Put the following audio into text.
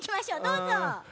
どうぞ！